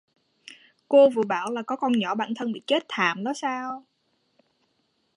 Cô vừa bảo là có con nhỏ bạn thân bị chết thảm đó sao